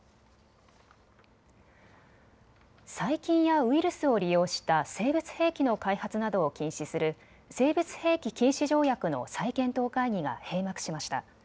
細菌やウイルスを利用した生物兵器の開発などを禁止する生物兵器禁止条約の再検討会議が閉幕しました。